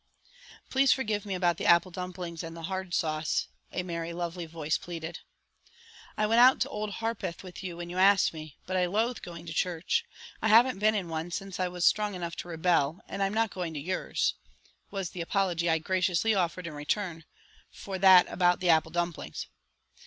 "Please forgive me about the apple dumplings and the hard sauce," a merry, very lovely voice pleaded. "I went out to Old Harpeth with you when you asked me; but I loathe going to church I haven't been in one since I was strong enough to rebel and I'm not going to yours," was the apology I graciously offered in return for that about the apple dumplings.